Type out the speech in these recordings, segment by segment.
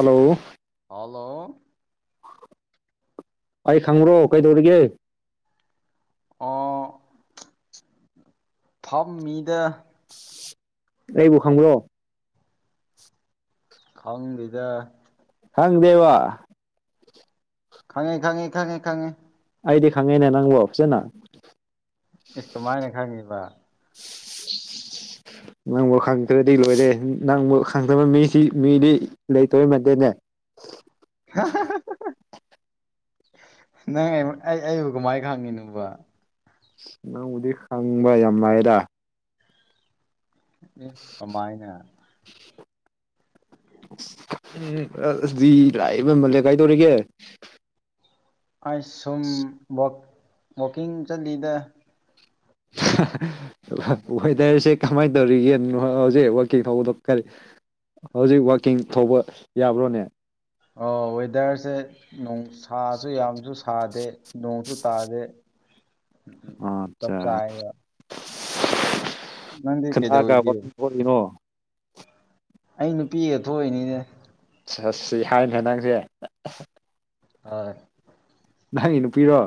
Hello hello ꯑꯩ ꯈꯪꯕ꯭ꯔꯣ ꯀꯩꯗꯧꯔꯤꯒꯦ ꯑꯣ ꯐꯝ ꯃꯤꯗ ꯑꯩꯕꯨ ꯈꯪꯕꯔꯣ ꯈꯪꯗꯦꯗꯥ ꯍꯪ ꯗꯦꯕ ꯈꯪꯉꯦ ꯈꯪꯉꯦ ꯈꯪꯉꯦ ꯈꯪꯉꯦ ꯑꯩꯗꯤ ꯈꯪꯉꯤꯅ ꯅꯪꯕꯨ ꯐꯖꯟꯅ ꯏꯁ ꯀꯃꯥꯏꯅ ꯈꯪꯉꯤꯕ ꯅꯪꯕꯨ ꯈꯪꯗ꯭ꯔꯗꯤ ꯂꯣꯏꯔꯦ ꯅꯪꯕꯨ ꯈꯪꯗꯕ ꯃꯤꯁꯤ ꯃꯤꯗꯤ ꯂꯩꯇꯩ ꯃꯟꯗꯦꯅꯦ ꯍꯥ ꯍꯥ ꯅꯪ ꯑꯩ ꯑꯩꯕꯨ ꯀꯃꯥꯏꯅ ꯈꯪꯉꯤꯅꯣꯕ ꯅꯪꯕꯨꯗꯤ ꯍꯪꯕ ꯌꯥꯝ ꯂꯥꯏꯗ ꯑꯦ ꯀꯃꯥꯏꯅ [unintelligible] ꯑꯩ ꯁꯨꯝ ꯋꯥꯛ ꯋꯥꯛꯀꯤꯡ ꯆꯠꯂꯤꯗ ꯋꯦꯗꯔꯁꯦ ꯀꯃꯥꯏꯅ ꯇꯧꯔꯤꯒꯦ ꯍꯧꯖꯤꯛ ꯋꯥꯛꯀꯤꯡ ꯊꯣꯛꯕꯗꯣ ꯀꯔꯤ ꯍꯧꯖꯤꯛ ꯋꯥꯛꯀꯤꯡ ꯊꯣꯛꯄ ꯌꯥꯕ꯭ꯔꯣꯅꯦ ꯑꯣ ꯋꯦꯗꯔꯁꯦ ꯅꯣꯡꯁꯥꯁꯨ ꯌꯥꯝꯅꯁꯨ ꯁꯥꯗꯦ ꯅꯣꯡꯁꯨ ꯇꯥꯗꯦ ꯎꯝ ꯎꯝ ꯆꯞ ꯑꯠꯆꯥ ꯆꯦꯏꯌꯦꯕ ꯀꯅꯥꯒ ꯀꯩꯗꯧꯔꯤꯒꯦ ꯋꯥꯛꯀꯤꯡ ꯊꯣꯛꯏꯅꯣ ꯑꯩ ꯅꯨꯄꯤꯒ ꯊꯣꯛꯏꯅꯤꯅꯦ ꯑꯁ ꯌꯥꯏꯅꯥ ꯅꯪꯁꯦ ꯑꯣꯏ ꯅꯪꯒꯤ ꯅꯨꯄꯤꯔꯣ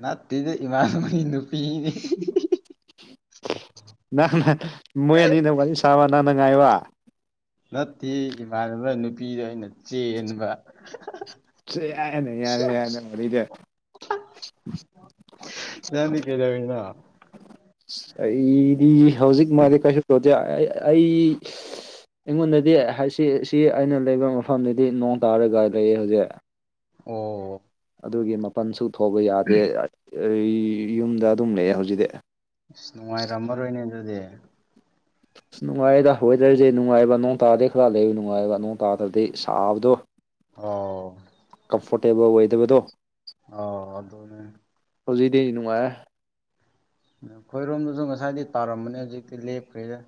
ꯅꯠꯇꯦꯗ ꯏꯃꯥꯟꯅꯕꯒꯤ ꯅꯨꯄꯤꯅꯦ ꯅꯪꯅ ꯃꯣꯏ ꯑꯅꯤꯅ ꯋꯥꯔꯤ ꯁꯥꯕ ꯅꯪꯅ ꯉꯥꯏꯕ ꯅꯠꯇꯌꯦ ꯏꯃꯥꯟꯅꯕ ꯅꯨꯄꯤꯗꯣ ꯑꯩꯅ ꯆꯦꯟꯕ ꯁꯤꯌ ꯌꯥꯔꯦ ꯌꯥꯔꯦ ꯅꯪ ꯋꯔꯤꯗꯤ ꯅꯪꯗꯤ ꯀꯩꯗꯧꯔꯤꯅꯣ ꯑꯩꯗꯤ ꯍꯧꯖꯤꯛ ꯃꯥꯗꯤ ꯍꯤꯄꯨꯒꯦ ꯑꯩ ꯑꯩꯉꯣꯟꯗꯗꯤ ꯍꯥꯏꯁꯤ ꯁꯤ ꯑꯩꯅ ꯂꯩꯕ ꯃꯐꯝꯗꯗꯤ ꯅꯣꯡ ꯇꯥꯔꯒ ꯂꯩꯌꯦ ꯍꯧꯖꯤꯛ ꯑꯣ ꯑꯗꯨꯒꯤ ꯃꯄꯜꯁꯨ ꯊꯣꯛꯄ ꯌꯥꯗꯦ ꯑꯩ ꯌꯨꯝꯗ ꯑꯗꯨꯝ ꯂꯩꯑꯦ ꯍꯧꯖꯤꯛꯇꯤ ꯑꯁ ꯅꯨꯡꯉꯥꯏꯔꯝꯃꯔꯣꯏꯅꯦ ꯑꯗꯨꯗꯤ ꯑꯁ ꯅꯨꯡꯉꯥꯏꯗ ꯋꯦꯗꯔꯁꯦ ꯅꯨꯡꯉꯥꯏꯕ ꯅꯣꯡ ꯇꯗꯣꯢ ꯋꯠꯂꯤꯕ ꯅꯨꯡꯉꯥꯏꯕ ꯅꯣꯡ ꯇꯥꯗ꯭ꯔꯗꯤ ꯁꯥꯕꯗꯣ ꯍꯥ ꯀꯝꯐꯣꯔꯇꯦꯕꯜ ꯑꯣꯏꯗꯕꯗꯣ ꯑꯥ ꯑꯗꯨꯅꯦ ꯍꯧꯖꯤꯛꯇꯤ ꯅꯨꯡꯉꯥꯏꯌꯦ ꯑꯩꯈꯣꯏꯔꯣꯝꯗꯁꯨ ꯉꯁꯥꯏꯗꯤ ꯇꯥꯔꯝꯕꯅꯦ ꯍꯧꯖꯤꯛꯇꯤ ꯂꯦꯞꯈ꯭ꯔꯦꯗ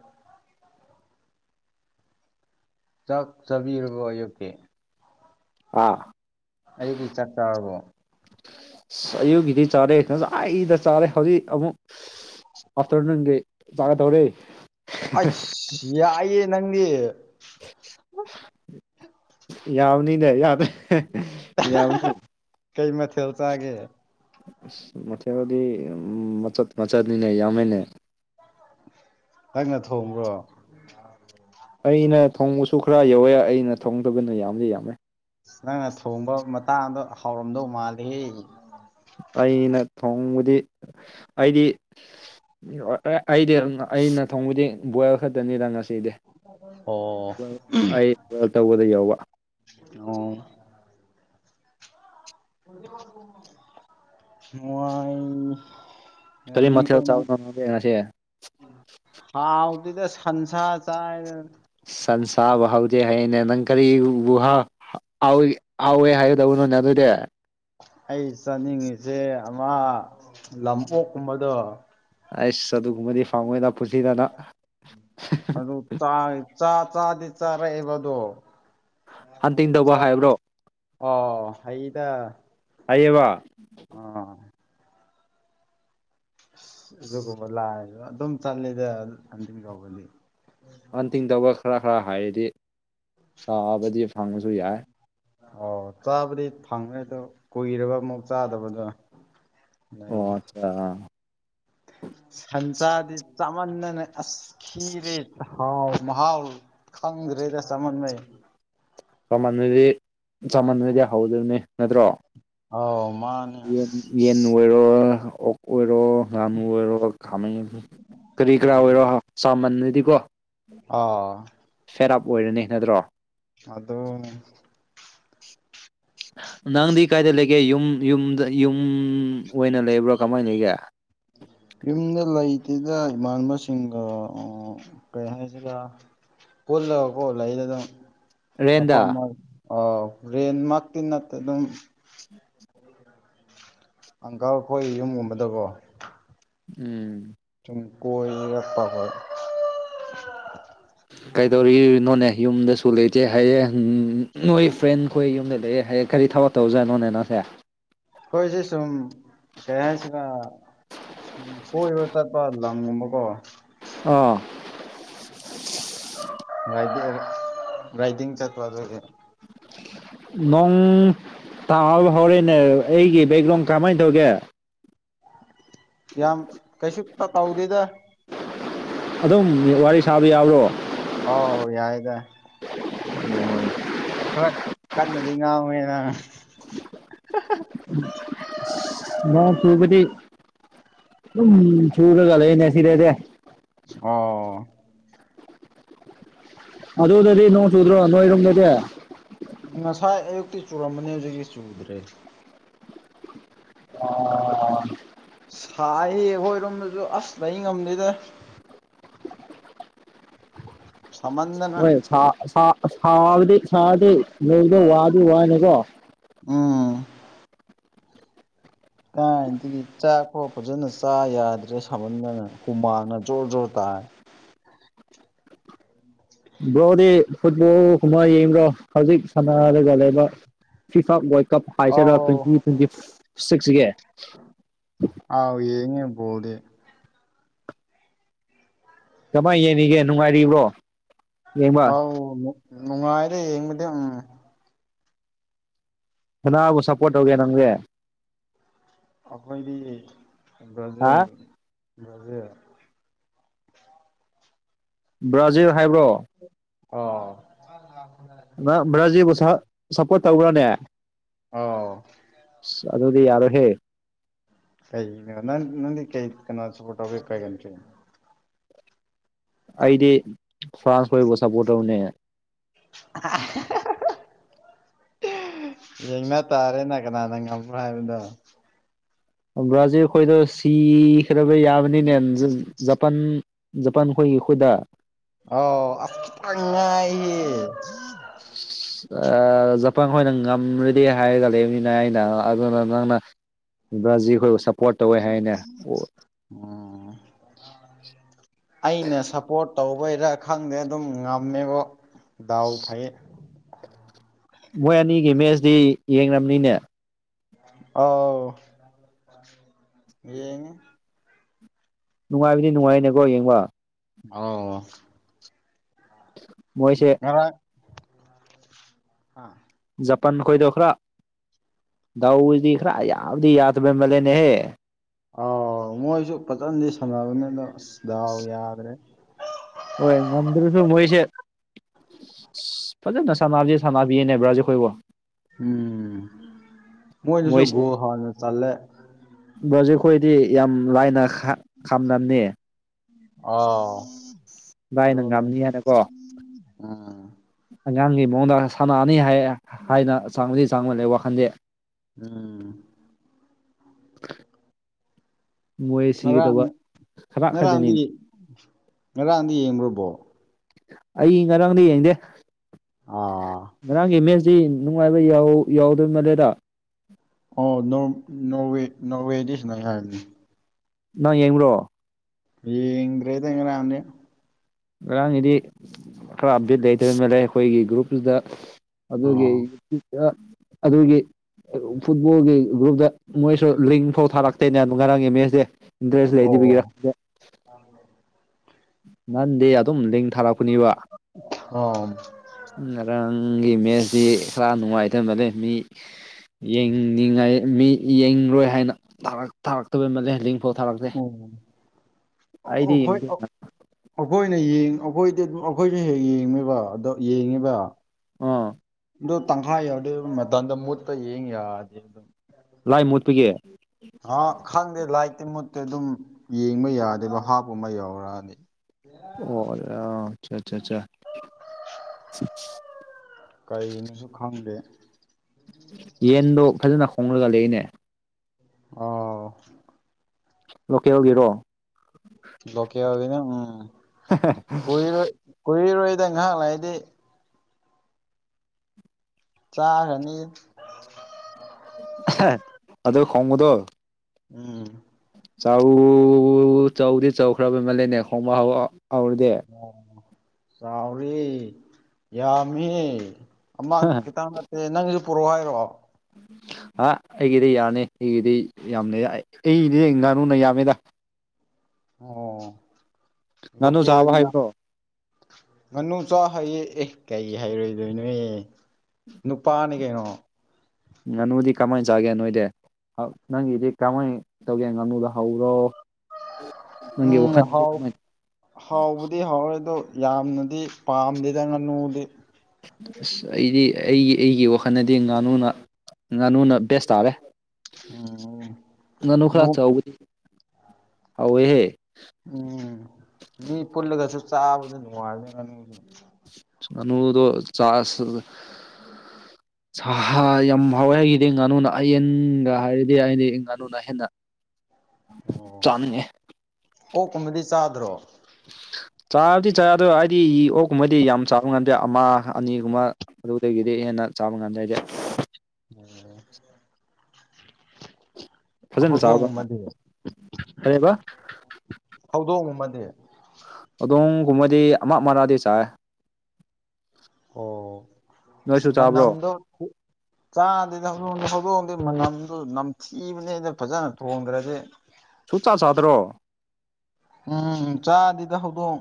ꯆꯥꯛ ꯆꯥꯕꯤꯔꯕꫭ ꯑꯌꯨꯛꯀꯤ ꯑꯥ ꯑꯌꯨꯛꯀꯤ ꯆꯥꯛ ꯆꯥꯔꯕꯣ ꯑꯁ ꯑꯌꯨꯛꯀꯤꯗꯤ ꯆꯥꯔꯦ ꯉꯁꯥꯏꯅ ꯆꯥꯔꯦ ꯍꯧꯖꯤꯛ ꯑꯃꯨꯛ ꯑꯥꯐꯇꯔꯅꯨꯟꯒꯤ ꯆꯥꯒ ꯗꯧꯔꯦ ꯑꯁ ꯌꯥꯏꯌꯦ ꯅꯪꯗꯤ ꯌꯥꯕꯅꯤꯅꯦ ꯌꯥ ꯀꯩ ꯃꯊꯦꯜ ꯆꯥꯒꯦ ꯑꯁ ꯃꯊꯦꯜꯗꯤ ꯃꯆꯠ ꯃꯆꯠꯅꯤꯅ ꯌꯥꯝꯃꯦꯅꯦ ꯅꯪꯅ ꯊꯣꯡꯕ꯭ꯔꯣ ꯑꯩꯅ ꯊꯣꯡꯕꯁꯨ ꯈꯔ ꯌꯥꯎꯋꯦ ꯑꯩꯅ ꯊꯣꯡꯗꯕꯅ ꯌꯥꯝꯗꯤ ꯌꯥꯝꯃꯦ ꯅꯪꯅ ꯊꯣꯡꯕ ꯃꯇꯥꯡꯗꯣ ꯍꯥꯎꯔꯝꯗꯧ ꯃꯥꯜꯂꯦꯍꯦ ꯑꯩꯅ ꯊꯣꯡꯕꯗꯤ ꯑꯩꯗꯤ ꯑꯦ ꯑꯩꯗꯤ ꯑꯩꯅ ꯊꯣꯡꯕꯗꯤ ꯕꯣꯏꯜ ꯈꯛꯇꯅꯤꯗ ꯉꯁꯤꯗꯤ ꯑꯣ ꯑꯩ ꯕꯣꯏꯜ ꯇꯧꯕꯗ ꯌꯥꯎꯕ ꯑꯣ ꯃꯣꯏ ꯀꯔꯤ ꯉꯝꯅꯤꯀꫭ ꯃꯊꯦꯜ ꯅꯪ ꯆꯥꯕꯅꯣ ꯅꯪꯗꯤ ꯉꯁꯤ ꯍꯥꯎꯇꯦꯗ ꯁꯟꯁ ꯆꯥꯏꯅ ꯁꯟꯁꯥꯕꯨ ꯍꯥꯎꯗꯦ ꯍꯥꯏꯌꯦꯅꯦ ꯅꯪ ꯀꯔꯤꯎꯕꯨꯍꯥ ꯍꯥꯎꯋꯤ ꯍꯥꯎꯋꯦ ꯍꯥꯏꯒꯗꯕꯅꯣ ꯅ ꯑꯗꯨꯗꯤ ꯑꯩ ꯆꯥꯅꯤꯡꯉꯤꯖꯦ ꯑꯃ ꯂꯝꯑꯣꯛꯀꯨꯝꯕꯗꯣ ꯑꯩꯁ ꯑꯗꯨꯒꯨꯝꯕꯗꯤ ꯐꯪꯉꯣꯏꯗ ꯄꯨꯟꯁꯤꯗ ꯅꯪ ꯆꯥꯏ ꯆꯥ ꯆꯥꯗꯤ ꯆꯥꯔꯛꯑꯦꯕ ꯑꯗꫭ ꯍꯟꯇꯤꯡ ꯇꯧꯕ ꯍꯥꯏꯕ꯭ꯔꯣ ꯑꯣ ꯐꯩꯗ ꯐꯩꯌꯦꯕ ꯑꯥ ꯑꯁ ꯑꯗꯨꯒꯨꯝꯕ ꯂꯥꯛꯑꯖꯨ ꯑꯗꯨꯝ ꯆꯠꯂꯤꯗ ꯍꯟꯇꯤꯟ ꯇꯧꯕꯗꯤ ꯍꯟꯇꯤꯡ ꯇꯧꯕ ꯈꯔ ꯈꯔ ꯍꯩꯔꯗꯤ ꯆꯥꯕꯗꯤ ꯐꯪꯕꯁꯨ ꯌꯥꯏ ꯑꫭ ꯆꯥꯕꯗꯤ ꯐꯪꯉꯦ ꯑꯗꫭ ꯀꯨꯏꯔꯕ ꯑꯃꯨꯛ ꯆꯥꯗꯕꯗꫭ ꯑꯣ ꯑꯠꯆꯥ ꯁꯟꯁꯥꯗꯤ ꯆꯥꯃꯟꯗꯅ ꯑꯁ ꯈꯤꯔꯦ ꯍꯥꯎ ꯃꯍꯥꯎ ꯈꯪꯗꯔꯦꯗ ꯆꯃꯟꯕꯩ ꯃꯃꯟꯗꯨꯗꯤ ꯆꯃꯟꯗꯔꯗꯤ ꯍꯧꯗꯕꯅꯤ ꯅꯠꯇ꯭ꯔꯣ ꯑꯥꯎ ꯃꯥꯥ ꯌꯦꯟ ꯌꯦꯟ ꯑꯣꯏꯔꯣ ꯑꯣꯛ ꯑꯣꯏꯔꯣ ꯉꯥꯅꯨ ꯑꯣꯏꯔꯣ ꯈꯥꯃꯦꯟ ꯀꯔꯤ ꯀꯔꯥ ꯑꯣꯏꯔꯣ ꯆꯃꯟꯗꯔꯗꯤ ꯀꯣ ꯑꯥ ꯁꯦꯠ ꯑꯞ ꯑꯣꯏꯔꯅꯤ ꯅꯠꯇ꯭ꯔꯣ ꯑꯗꯣ ꯅꯪꯗꯤ ꯀꯥꯏꯗ ꯂꯩꯒꯦ ꯌꯨꯝ ꯌꯨꯝꯗ ꯌꯨꯝ ꯑꯣꯏꯅ ꯂꯩꯕ꯭ꯔꯣ ꯀꯃꯥꯏ ꯂꯩꯒꯦ ꯌꯨꯝꯗ ꯂꯩꯇꯦꯗ ꯏꯃꯥꯟꯅꯕꯁꯤꯡꯒ ꯀꯩ ꯍꯥꯏꯁꯤꯒ ꯄꯨꯜꯂꯒꯀꯣ ꯂꯩꯔꯦ ꯑꯗꯨꯝ ꯃꯐꯝ ꯔꯦꯟꯗ ꯃ ꯔꯦꯟꯃꯛꯇꯤ ꯅꯠꯇꯦ ꯑꯗꯨꯝ [inaudible] ꯑꯪꯀꯜ ꯈꯣꯏ ꯌꯨꯝꯒꯨꯝꯕꯗꯀꯣ ꯎꯝ ꯁꯨꯝ ꯀꯣꯏꯔꯛꯄ ꯑꯈꯣꯏ ꯀꯩꯗꯧꯔꯤꯅꯣꯅꯦ ꯌꯨꯝꯗꯁꯨ ꯂꯩꯇꯦ ꯍꯥꯏꯌꯦ ꯅꯣꯏ ꯐ꯭ꯔꯦꯟ ꯈꯣꯏ ꯌꯨꯝꯗ ꯂꯩꯑꯦ ꯍꯥꯏꯌꯦ ꯀꯔꯤ ꯊꯕꯛ ꯇꯧꯖꯥꯠꯅꯣꯅꯦꯅꯣꯁꯦ ꯈꯣꯏꯁꯦ ꯁꯨꯝ ꯀꯩ ꯍꯥꯏꯁꯤꯔ ꯁꯨꯝ ꯀꯣꯏꯕ ꯆꯠꯄ ꯂꯝꯒꯨꯝꯕꯀꯣ ꯑꯥ ꯔꯥꯏꯗꯤꯡ ꯔꯥꯏꯗꯤꯡ ꯆꯠꯄ ꯑꯗꯨꯒꯤ ꯅꯣꯡ ꯇꯥꯍꯧ ꯍꯧꯔꯦꯅꯦ ꯑꯩꯒꯤ ꯕꯦꯛꯒ꯭ꯔꯥꯎꯟ ꯀꯔꯝꯃꯥꯏꯟ ꯇꯧꯒꯦ ꯌꯥꯝ ꯀꯩꯁꯨꯞꯇ ꯇꯧꯗꯦꯗ ꯑꯗꯨꯝ ꯋꯥꯔꯤ ꯁꯥꯕ ꯌꯥꯕ꯭ꯔꯣ ꯑꯧ ꯌꯥꯏꯗ ꯈꯔ ꯀꯟꯅꯗꯤ ꯉꯥꯡꯉꯣꯍꯦ ꯅꯪ ꯏꯁ ꯅꯣꯡ ꯆꯨꯕꯗꯤ ꯗꯨꯝ ꯆꯨꯔꯒ ꯂꯩꯌꯦꯅꯦ ꯁꯤꯗꯗꯤ ꯑꯣ ꯑꯗꯨꯗꯗꯤ ꯅꯣꯡ ꯆꯨꯗ꯭ꯔꯣ ꯅꯣꯏꯔꯨꯝꯗꯗꯤ ꯉꯁꯥꯏ ꯑꯌꯨꯛꯇꯤ ꯆꯨꯔꯝꯕꯅꯤ ꯍꯧꯖꯤꯛꯇꯤ ꯆꯨꯗ꯭ꯔꯦ ꯑꯣ ꯁꯥꯏꯌꯦ ꯑꯩꯈꯣꯏꯔꯣꯝꯗꯁꯨ ꯑꯁ ꯂꯩ ꯉꯝꯗꯦꯗ ꯁꯥꯃꯟꯗ ꯍꯣꯏ ꯁꯥ ꯁꯥ ꯁꯥꯕꯗꯤ ꯁꯥꯗꯦ ꯅꯣꯡꯗꯣ ꯋꯥꯗꯤ ꯋꯥꯅꯤꯀꯣ ꯎꯝ ꯀꯥꯏꯅꯗꯒꯤ ꯆꯥꯛꯐꯥꯎ ꯐꯖꯅ ꯆꯥ ꯌꯥꯗ꯭ꯔꯦ ꯁꯥꯃꯟꯗꯅ ꯍꯨꯃꯥꯡꯅ ꯖꯣꯔ ꯖꯣꯔ ꯇꯥꯔꯦ ꯕ꯭ꯔꯣꯗꯤ ꯐꯨꯠꯕꯣꯜ ꯀꯃꯥꯏ ꯌꯦꯡꯕ꯭ꯔꯣ ꯍꯧꯖꯤꯛ ꯁꯥꯟꯅꯔꯒ ꯂꯩꯕ ꯐꯤꯐꯥ ꯋꯥ꯭ꯔꯜ ꯀꯞ ꯍꯥꯏꯁꯤꯔꯥ ꯑꯥꯎ ꯇꯣꯏꯟꯇꯤ ꯇꯣꯏꯟꯇꯤ ꯁꯤꯛꯁꯒꯤ ꯑꯥꯎ ꯌꯦꯡꯉꯦ ꯕꯣꯜꯗꯤ ꯀꯃꯥꯏ ꯌꯦꯡꯔꯤꯒꯦ ꯅꯨꯡꯉꯥꯏꯔꯤꯕ꯭ꯔꯣ ꯌꯦꯡꯕ ꯑꯧ ꯅꯨꯡ ꯅꯨꯡꯉꯥꯏꯔꯤ ꯌꯦꯡꯕꯗꯤ ꯎꯝ ꯀꯅꯥꯕꯨ ꯁꯞꯄꯣꯔꯠ ꯇꯧꯒꯦ ꯅꯪꯗꯤ ꯑꯩꯈꯣꯏꯗꯤ ꯍꯥ ꯕ꯭ꯔꯥꯖꯤꯜ ꯕ꯭ꯔꯥꯖꯤꯜ ꯕ꯭ꯔꯥꯖꯤꯜ ꯍꯥꯏꯕ꯭ꯔꯣ ꯑꯣ [unintelligible] ꯅꯪ ꯕ꯭ꯔꯥꯖꯤꯜꯕꯨ ꯁꯞ ꯁꯞꯄꯣꯔꯠ ꯇꯧꯕ꯭ꯔꯅꯦ ꯑꯧ ꯑꯁ ꯑꯗꯨꯗꯤ ꯌꯥꯔꯣꯏꯍꯦ ꯀꯩꯒꯤꯅꯣ ꯅꯪ ꯅꯪꯗꯤ ꯀꯩ ꯀꯅꯥ ꯁꯞꯄꯣꯔꯠ ꯇꯧꯒꯦ [unintelligible] ꯑꯩꯗꯤ ꯐ꯭ꯔꯥꯟꯁ ꯈꯣꯏꯕꯨ ꯁꯞꯄꯣꯔꯠ ꯇꯧꯕꯅꯦ ꯌꯦꯡꯅ ꯇꯥꯔꯦꯅꯦ ꯀꯅꯥꯅ ꯉꯝ ꯕ꯭ꯔ ꯍꯥꯏꯕꯗꯣ ꯕ꯭ꯔꯥꯖꯤꯜ ꯑꯩꯈꯣꯏꯗꯣ ꯁꯤꯈ꯭ꯔꯕ ꯌꯥꯕꯅꯤꯅꯦꯝ ꯖꯞ ꯄꯟ ꯖꯄꯥꯟ ꯈꯣꯏꯒꯤ ꯈꯨꯗ ꯑꯣ ꯑꯁ ꯈꯤꯇꯪ ꯉꯥꯏꯌꯦ [inaudible] ꯖꯄꯥꯟ ꯈꯣꯏꯅ ꯉꯝꯃꯔꯗꯤ ꯍꯥꯏꯔꯒ ꯂꯩꯕꯅꯤꯅ ꯑꯩꯅ ꯑꯗꯨꯅ ꯅꯪꯅ ꯕꯔꯖꯤꯜ ꯈꫭꯏꯕꯨ ꯁꯥꯞ ꯎꯝ ꯑꯩꯅ ꯁꯞꯄꯣꯔꯠ ꯇꯧꯕꯩꯔꯥ ꯈꯪꯗꯦ ꯑꯗꯨꯝ ꯉꯝꯃꯦꯕꫭ ꯗꯥꯎ ꯐꯩꯌꯦ ꯃꯣꯏ ꯑꯅꯤꯒꯤ ꯃꯦꯁꯇꯤ ꯌꯦꯡꯔꯝꯅꯤꯅꯦ ꯑꯥꯎ ꯌꯦꯡꯉꯦ ꯅꯨꯡꯉꯥꯏꯕꯗꯤ ꯅꯨꯡꯉꯥꯏꯅꯦꯀꯣ ꯌꯦꯡꯕ ꯑꯥꯎ ꯃꯣꯏꯁꯦ ꯉꯔꯥꯡ ꯖꯄꯟ ꯈꯣꯏꯗꯣ ꯈꯔ ꯗꯥꯎꯗꯤ ꯈꯔ ꯌꯥꯕꯗꯤ ꯌꯥꯗꯕꯩ ꯃꯜꯂꯦꯅꯦ ꯑꯥꯎ ꯃꯣꯏꯖꯨ‌ ꯐꯖꯅꯗꯤ ꯁꯥꯟꯅꯕꯅꯤ ꯑꯗꫭ ꯑꯁ ꯗꯥꯎ ꯌꯥꯗ꯭ꯔꯦ ꯍꯣꯏ ꯉꯝꯗ꯭ꯔꯁꯨ ꯃꯣꯏꯁꯦ ꯐꯖꯅ ꯁꯥꯟꯅꯁꯡꯖꯦ ꯁꯥꯟꯅꯕꯤꯌꯦꯅꯦ ꯕ꯭ꯔꯥꯖꯤꯜ ꯈꯣꯏꯕꯣ ꯎꯝ ꯃꯣꯏꯗꯨꯁꯨ ꯒꯣꯜ ꯍꯥꯟꯅ ꯆꯜꯂꯦ ꯕ꯭ꯔꯖꯤꯜ ꯑꯩꯈꯣꯏꯗꯤ ꯌꯥꯝ ꯂꯥꯏꯅ ꯈꯝꯅꯝꯅꯦ ꯑꯣ ꯑꯗꯨ ꯂꯥꯏꯅ ꯅꯪ ꯉꯝꯅꯤ ꯍꯥꯏꯅꯀꯣ ꯎꯝ ꯑꯉꯥꯡꯒꯤ ꯃꯑꯣꯡꯗ ꯁꯥꯟꯅꯅꯤ ꯍꯥꯏ ꯍꯥꯏꯅ ꯆꯪꯕꯗꯤ ꯆꯪꯃꯜꯂꯦ ꯋꯥꯈꯜꯗꯤ ꯎꯝ ꯃꯣꯏ ꯉꯔꯥꯡ ꯁꯤꯒꯗꯕ ꯈꯔ ꯈꯛꯇꯅꯤ ꯉꯔꯥꯡꯗꯤ ꯉꯔꯥꯡꯗꯤ ꯌꯦꯡꯕꯔꫭ ꯕꫭꯜ ꯑꯩ ꯉꯔꯥꯡꯗꯤ ꯌꯦꯡꯗꯦ ꯑꯥ ꯉꯔꯥꯡꯒꯤ ꯃꯦꯁꯇꯤ ꯅꯨꯡꯉꯥꯏꯕ ꯌꯥꯎꯗꯣꯏ ꯃꯥꯜꯂꯦꯗ ꯑꫭ ꯅꫭꯔꯋꯦ ꯅꯣꯋꯦꯗꯤ ꯁꯥꯟꯅꯩ ꯍꯥꯏꯕꯅꯦ ꯅꫭꯏ ꯌꯦꯡꯕꯔꯣ ꯌꯦꯡꯗꯔꯦꯗ ꯉꯔꯥꯡꯗꯤ ꯉꯔꯥꯡꯒꯤꯗꯤ ꯈꯔ ꯑꯞꯗꯦꯠ ꯂꯩꯇꯕ ꯃꯥꯜꯂꯦ ꯑꯩꯈꯣꯏꯒꯤ ꯒ꯭ꯔꯨꯞꯇꯨꯗ ꯑꯗꯨꯒꯤ ꯑꯣ ꯑꯗꯨꯒꯤ ꯐꯨꯠꯕꯣꯜꯒꯤ ꯒ꯭ꯔꯨꯞꯇ ꯃꯣꯏꯁꯨ ꯂꯤꯡꯐꯥꯎ ꯊꯥꯔꯛꯇꯣꯏꯅꯦ ꯑꯗꯨ ꯉꯔꯥꯡꯒꯤꯦꯝ ꯃꯁꯦ ꯏꯟꯇꯔꯦꯁ ꯂꯩꯇꯕꯒꯤꯔ ꯑ [unintelligible] ꯅꯍꯥꯟꯗꯤ ꯑꯗꯨꯝ ꯂꯤꯡ ꯊꯥꯔꯛꯄꯅꯦꯕ ꯑꯥ ꯉꯔꯥꯡꯒꯤ ꯃꯦꯠꯁꯇꯤ ꯈꯔ ꯅꯨꯡꯉꯥꯏꯇ ꯃꯥꯂꯦ ꯃꯤ ꯌꯦꯡꯅꯤꯡꯉꯥꯏ ꯃꯤ ꯌꯦꯡꯂꯔꯣꯏ ꯍꯥꯏꯅ ꯊꯥꯔꯛꯇꯕ ꯃꯥꯜꯂꯦ ꯂꯤꯛ ꯐꫭꯜ ꯊꯥꯔꯛꯇꯦ ꯎꯝ ꯑꯩꯗꯤ ꯌꯦꯡꯗꯦ ꯍꫭꯏꯅꯦ ꯌꯦꯡ ꯑꯩꯈꯣꯏꯗꯤ ꯗꯨꯝ ꯑꯩꯈꯣꯏꯖꯨ ꯍꯦꯛ ꯌꯦꯡꯉꯕ ꯑꯗꯣ ꯌꯦꯡꯉꯦꯕ ꯑꯥ ꯑꯗꫭ ꯇꯪꯈꯥꯏ ꯌꯥꯎꯔꯗꯦ ꯃꯇꯝꯗ ꯃꯨꯠꯄ ꯌꯦꯡ ꯌꯥꯗꯦ ꯂꯥꯏ ꯃꯨꯠꯄꯒꯤ ꯑ ꯈꯪꯗꯦ ꯂꯥꯏꯠꯇꯤ ꯃꯨꯠꯇꯦ ꯑꯗꯨꯝ ꯌꯦꯡꯕ ꯌꯥꯗꯦꯕ ꯍꯥꯞꯄ ꯑꯃ ꯌꯧꯔꯛꯑꯅꯤ ꯑꯣ ꯑ ꯑꯆꯥ ꯑꯆꯥ ꯀꯩꯅꯣꯁꯨ ꯈꯪꯗꯦ ꯌꯦꯟꯗꯣ ꯐꯖꯅ ꯈꫭꯡꯔꯒ ꯂꯩꯅꯦ ꯑꯥ ꯑꯣ ꯂꯣꯀꯦꯜꯒꯤꯔꯣ ꯂꯣꯀꯦꯜꯒꯤꯅꯦ ꯎꯝ ꯀꯨꯔꯣꯏ ꯀꯨꯔꯔꯣꯏꯗ ꯉꯥꯏꯍꯥꯛ ꯂꯩꯥꯗꯤ ꯆꯔꯥꯅꯤ [unintelligible] ꯑꯗꯨ ꯈꯣꯡꯕꯗꯣ ꯎꯝ ꯆꯥꯎ ꯆꯥꯎꯗꯤ ꯆꯥꯎꯈ꯭ꯔꯕ ꯃꯜꯂꯦꯅꯦ ꯈꯣꯡꯕ ꯍꯧ ꯍꯧꯔꯗꯤ ꯆꯥꯎꯔꯤ ꯌꯥꯝꯃꯤ ꯑꯃ ꯈꯤꯇꯪ ꯅꯠꯇꯦ ꯅꯪꯁꯨ ꯄꯨꯔꯛꯑꯣ ꯍꯥꯏꯔꯣ ꯍꯥ ꯑꯩꯒꯤꯗꯤ ꯌꯥꯅꯤ ꯑꯩꯒꯤꯗꯤ ꯌꯥꯝ ꯂꯩ ꯑꯩꯒꯤꯗꯤ ꯉꯥꯅꯨꯅ ꯌꯥꯝꯃꯤꯗ ꯑꯣ ꯉꯥꯅꯨ ꯂꯣꯀꯦꯜ ꯆꯥꯕ ꯉꯥ ꯍꯥꯏꯕ꯭ꯔꯣ ꯉꯥꯅꯨ ꯆꯥ ꯍꯩꯌꯦ ꯑꯦ ꯀꯩꯒꯤ ꯍꯩꯔꯣꯏꯗꯣꯏꯅꯣꯑꯦ ꯅꯨꯄꯥꯅꯤ ꯀꯩꯅꯣ ꯉꯥꯅꯨꯗꯤ ꯀꯃꯥꯏ ꯆꯥꯒꯦ ꯅꯣꯏꯗꯤ [unintelligible] ꯅꯪꯒꯤꯗꯤ ꯀꯃꯥꯏ ꯇꯧꯒꯦ ꯉꯥꯅꯨꯗꯣ ꯍꯥꯎꯕꯔꯣ꯫ ꯎꯝ ꯍꯥꯎ ꯀꯃꯥꯏꯅ ꯍꯥꯎꯕꯗꯤ ꯍ [unintelligible] ꯍꯥꯎꯋꯦꯗꯣ ꯌꯥꯝꯅꯗꯤ ꯄꯥꯝꯗꯦꯗ ꯉꯥꯅꯨꯗꯤ ꯑꯁ ꯑꯩꯗꯤ ꯑꯩꯒꯤ ꯑꯩꯒꯤ ꯋꯥꯈꯟꯅꯗꯤ ꯉꯥꯅꯨꯅ ꯉꯥꯅꯨꯅ ꯕꯦꯁ ꯇꯥꯔꯦ ꯎꯝ ꯉꯥꯅꯨ ꯅꯨ ꯈꯔ ꯆꯥꯎꯗꯤ ꯍꯥꯎꯋꯦ ꯎꯝ ꯃꯤ ꯄꯨꯜꯂꯒ ꯆꯥꯛ ꯆꯥꯕꯗ ꯅꯨꯡꯉꯥꯏꯕꯅꯦ ꯉꯥꯅꯨꯗꯤ ꯉꯥꯅꯨꯗꯣ ꯆꯥꯁꯤ [unintelligible] [inaudible] ꯁꯥ ꯌꯥꯝ ꯍꯥꯎꯋꯦ ꯑꯩꯒꯤꯗꯤ ꯉꯥꯅꯨꯅ ꯌꯦꯟꯗ ꯍꯥꯏꯔꯗꯤ ꯑꯩꯗꯤ ꯉꯥꯅꯨꯅ ꯍꯦꯟꯅ ꯑꯣ ꯆꯥꯅꯤꯡꯉꯦ ꯑꯣꯛ ꯀꯨꯝꯕꯗꯤ ꯆꯥꯗ꯭ꯔꯣ ꯆꯥꯕꯗꯤ ꯆꯥꯏ ꯑꯗꯣ ꯍꯥꯏꯗꯤ ꯑꯣꯛꯀꯨꯝꯕꯗꯤ ꯌꯥꯝ ꯆꯥꯕ ꯉꯝꯗꯦ ꯑꯃ ꯑꯅꯤꯒꯨꯝꯕ ꯑꯗꯨꯗꯒꯤꯗꯤ ꯍꯦꯟꯅ ꯆꯥꯕ ꯉꯝꯗꯦ ꯑꯩꯗꯤ ꯎꯝ [unintelligible] ꯐꯖꯅ ꯆꯥꯕ ꯍꯧꯗꯣꯡꯒꯨꯝꯕꯗꯤ ꯀꯔꯤꯕ ꯍꯧꯗꯣꯡꯒꯨꯝꯕꯗꯤ ꯍꯧꯗꯣꯡꯒꯨꯝꯕꯗꯤ ꯑꯃ ꯃꯔ꯭ꯥꯗꯤ ꯆꯥꯏ ꯑꯣ ꯅꯣꯏꯁꯨ [unintelligible] ꯆꯥꯕ꯭ꯔꯣ ꯃꯅꯝꯗꯣ ꯆꯥꯗꯦꯗ ꯍꯧꯗꯣꯡ ꯍꯧꯗꯣꯡꯗꯤ ꯃꯅꯝꯗꯨ ꯅꯝꯊꯤꯕꯅꯦꯅ ꯐꯖꯅ ꯊꯣꯡꯗꯔ꯭ꯗꯤ ꯁꯨꯛ ꯆꯥ ꯆꯥꯗꯔꯣ ꯎꯝ ꯆꯥꯗꯤꯗ ꯍꯧꯗꯣꯡ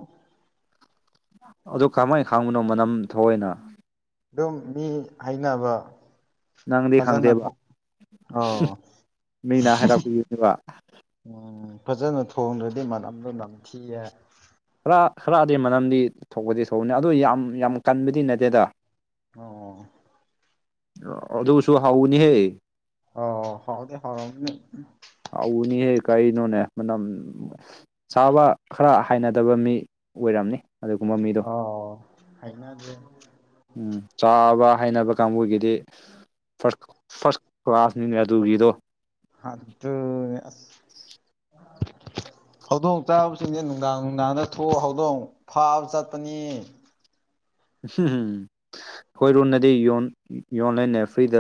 ꯑꯗꯨ ꯀꯃꯥꯏ ꯈꯥꯡꯕꯅꯣ ꯃꯅꯝ ꯊꯣꯑꯦꯅ ꯑꯗꯨꯝ ꯃꯤ ꯍꯥꯏꯅꯕ ꯅꯪꯗꯤ ꯐꯖꯅ ꯊꯣ ꯈꯪꯗꯦꯕ ꯑꯣ ꯃꯤꯅ [unintelligible] ꯍꯥꯏꯔꯛꯄꯤꯕꯅꯦꯕ ꯎꯝ ꯐꯖꯅ ꯊꯣꯡꯗ꯭ꯔꯗꯤ ꯃꯅꯝꯗꯣ ꯅꯝꯊꯤꯌꯦ ꯈꯔ ꯈꯔꯗꯤ ꯃꯅꯝꯗꯤ ꯊꯣꯛꯄꯗꯤ ꯊꯣꯛꯅꯤ ꯑꯗꯨ ꯌꯥꯝ ꯌꯥꯝ ꯀꯟꯕꯗꯤ ꯅꯠꯇꯦꯗ ꯑꯣ ꯑꯗꯨꯁꯨ ꯍꯥꯎꯕꯅꯤ ꯍꯦ ꯑꯣ ꯍꯥꯎꯗꯤ ꯍꯥꯎꯔꯝꯅꯤ ꯍꯥꯎꯅꯤꯍꯦ ꯀꯩꯅꯣꯅꯦ ꯃꯅꯝ ꯆꯥꯕ ꯈꯔ ꯍꯩꯅꯗꯕ ꯃꯤ ꯑꯣꯏꯔꯝꯅꯤ ꯑꯗꯨꯒꯨꯝꯕ ꯃꯤꯗꯣ ꯑꯣ ꯍꯩꯅꯗꯦ ꯎꯝ ꯆꯥꯕ ꯍꯩꯅꯕ ꯀꯥꯡꯕꯨꯒꯤꯗꯤ ꯐꯔꯁ ꯐꯥꯔꯁ ꯀ꯭ꯂꯥꯁꯅꯤꯅꯦ ꯑꯗꯨꯒꯤꯗꯣ꯫ ꯑꯗꯨꯅꯦ ꯑꯁ ꯍꯧꯗꯣꯡ ꯆꯥꯕꯁꯤꯡꯁꯦ ꯅꯨꯡꯗꯥꯡ ꯅꯨꯡꯗꯥꯡꯗ ꯊꯣꯛꯑ ꯍꯧꯗꯣꯡ ꯐꯥꯕ ꯆꯠꯄꯅꯤ꯫ ꯈꯣꯏꯔꯣꯝꯗꯗꯤ ꯌꯣꯟ ꯌꯣꯟꯂꯦꯅꯦ ꯐ꯭ꯔꯤꯗ꯫